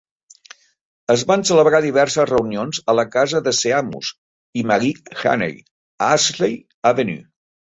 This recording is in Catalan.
Es van celebrar diverses reunions a la casa de Seamus i Marie Heaney a Ashley Avenue.